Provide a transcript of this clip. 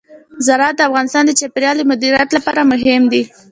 زراعت د افغانستان د چاپیریال د مدیریت لپاره مهم دي.